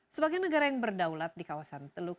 sebagai negara yang berdaulat di kawasan teluk